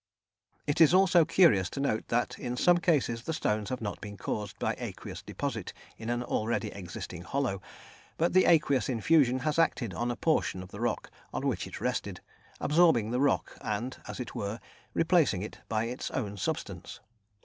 It is also curious to note that in some cases the stones have not been caused by aqueous deposit in an already existing hollow, but the aqueous infusion has acted on a portion of the rock on which it rested, absorbing the rock, and, as it were, replacing it by its own substance.